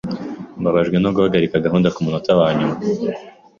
Mbabajwe no guhagarika gahunda kumunota wanyuma.